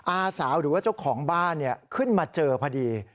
อาสาวหรือว่าเจ้าของบ้านขึ้นมาเจอพอดี